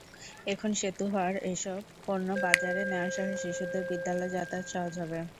এখন সেতু হওয়ায় এসব পণ্য বাজারে নেওয়াসহ শিশুদের বিদ্যালয় যাতায়াত সহজ হবে।